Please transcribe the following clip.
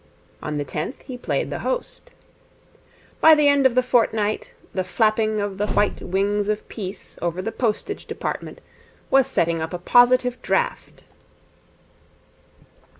On the tenth he played the host. By the end of the fortnight the flapping of the white wings of Peace over the Postage Department was setting up a positive draught.